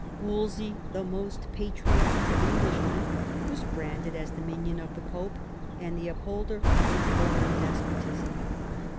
Wolsey, the most patriotic of Englishmen, was branded as the minion of the Pope, and the upholder of a. foreign despotism.